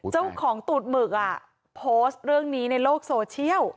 เจ้าของตุ๊ดหมึกอ่ะโพสต์เรื่องนี้ในโลกโซเชียล